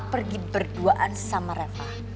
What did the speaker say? pergi berduaan sama reva